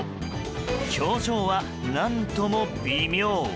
表情は何とも微妙。